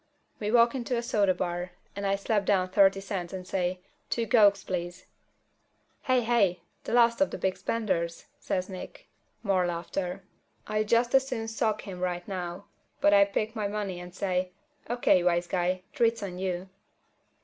We walk into a soda bar, and I slap down thirty cents and say, "Two cokes, please." "Hey, hey! The last of the big spenders!" says Nick. More laughter. I'd just as soon sock him right now, but I pick up my money and say, "O.K., wise guy, treat's on you."